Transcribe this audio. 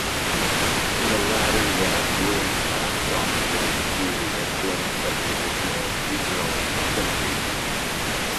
In the latter, that ruling class dominated through the influence of traditional regional gentry.